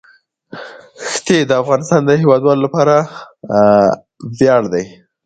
ښتې د افغانستان د هیوادوالو لپاره ویاړ دی.